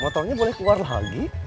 motornya boleh keluar lagi